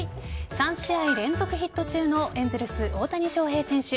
３試合連続ヒット中のエンゼルス・大谷翔平選手。